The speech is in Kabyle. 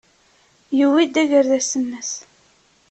Yewwi-d agerdas-nnes.